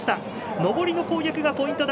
上りの攻略がポイントだ。